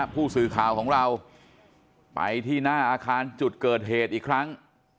ผู้สื่อข่าวของเราไปที่หน้าอาคารจุดเกิดเหตุอีกครั้ง